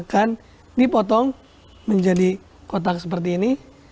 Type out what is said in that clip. jadi kerang akan dipotong menjadi kotak seperti ini